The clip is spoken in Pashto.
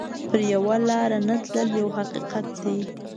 پر یوه لار نه تلل یو حقیقت دی.